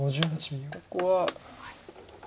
ここは。